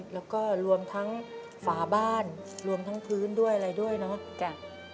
แล้วก็รวมทั้งฝาบ้านรวมทั้งพื้นด้วยอะไรด้วยเนาะ